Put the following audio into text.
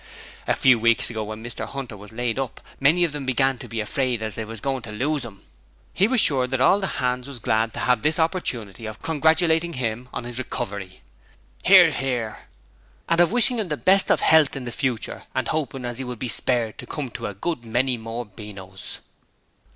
A few weeks ago when Mr 'Unter was laid up, many of them began to be afraid as they was going to lose 'im. He was sure that all the 'ands was glad to 'ave this hoppertunity of congratulating him on his recovery (Hear, hear) and of wishing him the best of 'ealth in the future and hoping as he would be spared to come to a good many more Beanos.